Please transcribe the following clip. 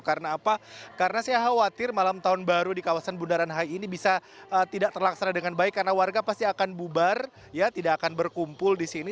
karena apa karena saya khawatir malam tahun baru di kawasan bundaran hi ini bisa tidak terlaksana dengan baik karena warga pasti akan bubar ya tidak akan berkumpul di sini